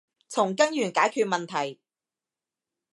從根源解決問題